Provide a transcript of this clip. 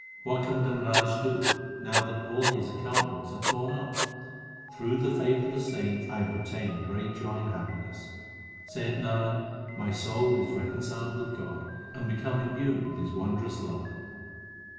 What can Dharmraj do, now that all his account books are torn up ? Through the favour of the saints I have obtained great joy and happiness. Saith Nanak, my soul is reconciled with God, and become imbued with His wondrous love.